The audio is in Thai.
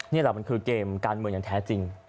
นี่แหละมันคือเกมการเมืองอย่างแท้จริง